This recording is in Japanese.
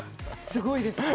すごいです。